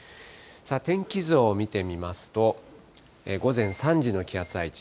天気図を見てみますと、午前３時の気圧配置。